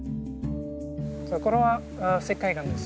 これは石灰岩です。